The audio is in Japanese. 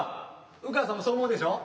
烏川さんもそう思うでしょ？